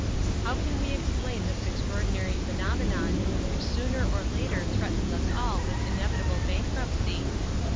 "How can we explain this extraordinary phenomenon which sooner or later threatens us all with inevitable bankruptcy?